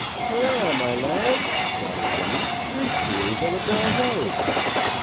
"Hurrah, my lads," cried Jemmy, "three cheers and a bravo."